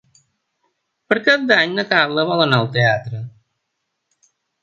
Per Cap d'Any na Carla vol anar al teatre.